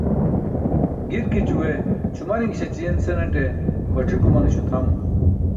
Girkićuwe cʰumariṅ śećiyen senate bac̣ik umanaśo tʰamo.